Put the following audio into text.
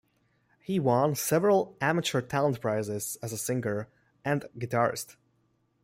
He won several amateur talent prizes as a singer and guitarist.